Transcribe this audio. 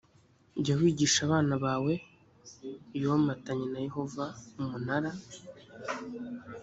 jya wigisha abana bawe yomatanye na yehova umunara